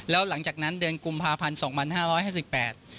แล้วหลังจากนั้นเดือนกุมภาพันธ์๒๕๑๘